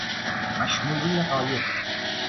مشمولین غایب